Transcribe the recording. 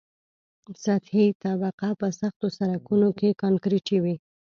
سطحي طبقه په سختو سرکونو کې کانکریټي وي